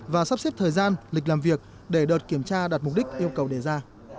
và sắp xếp thời gian lịch làm việc để đợt kiểm tra đạt mục đích yêu cầu đề ra